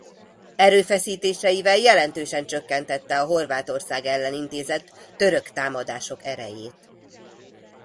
Erőfeszítéseivel jelentősen csökkentette a Horvátország ellen intézett török támadások erejét.